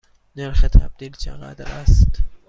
نرخ تبدیل چقدر است؟